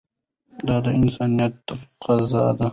دا د انسانیت تقاضا ده.